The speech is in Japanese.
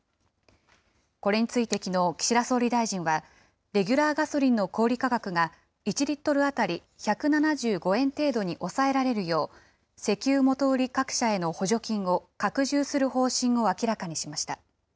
これについてきのう、岸田総理大臣は、レギュラーガソリンの小売り価格が１リットル当たり１７５円程度に抑えられるよう、石油元売り各社への補助金を拡充する方針を明らかにしました。